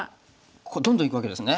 ここどんどんいくわけですね。